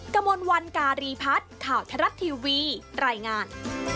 กระมวลวันการีพัฒน์ข่าวทรัฐทีวีรายงาน